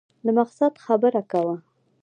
د مقصد خبره کوه !